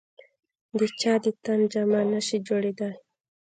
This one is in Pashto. د چا د تن جامه نه شي جوړېدای.